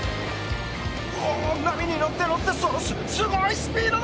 波に乗って乗ってすごいスピードだ！